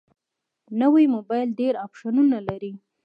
نوی موبایل ډېر اپشنونه لري